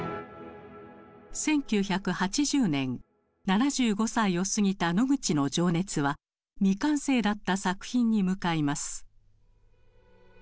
１９８０年７５歳を過ぎたノグチの情熱は未完成だった作品に向かいます。